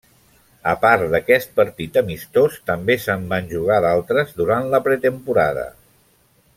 A part d'aquest partit amistós, també se'n van jugar d'altres durant la pretemporada.